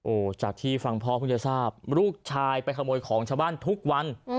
โอ้โหจากที่ฟังพ่อเพิ่งจะทราบลูกชายไปขโมยของชาวบ้านทุกวัน